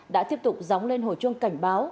đã tiếp tục dóng lên hồ chuông cảnh báo